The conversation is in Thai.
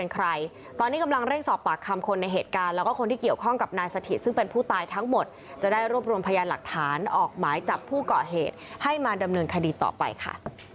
ใครตอนนี้กำลังเร่งสอบปากคำคนในเหตุการณ์แล้วก็คนที่เกี่ยวข้องกับนายสถิตซึ่งเป็นผู้ตายทั้งหมดจะได้รวบรวมพยานหลักฐานออกหมายจับผู้ก่อเหตุให้มาดำเนินคดีต่อไปค่ะ